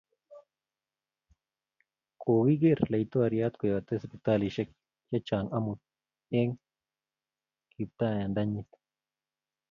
Kogiger laitoriat koyate siptalishek chehcang amut eng kiptandanyit